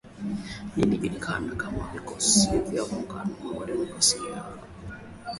Linalojulikana kama Vikosi vya Muungano wa Kidemokrasia.